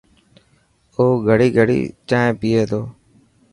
او گڙي گڙي چائين پئي تو.